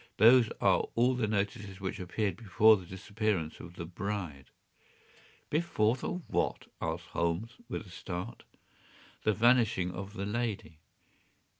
Those are all the notices which appeared before the disappearance of the bride.” “Before the what?” asked Holmes, with a start. “The vanishing of the lady.